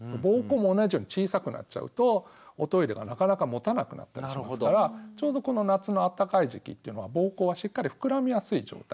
膀胱も同じように小さくなっちゃうとおトイレがなかなかもたなくなったりしますからちょうどこの夏のあったかい時期っていうのは膀胱がしっかり膨らみやすい状態。